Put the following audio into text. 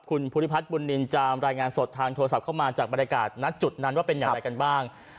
คุณผู้หญิงพุธิพัทย์บุญเนียมจามรายงานสดทางโทรศัพท์ข้องมาจากบรรไกรกาศนั้นจุดนั้นว่าเป็นอย่างไรกันบ้าง